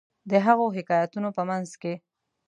د هغو حکایتونو په منځ کې.